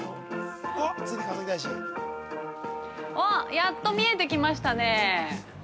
やっと見えてきましたね。